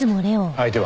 相手は？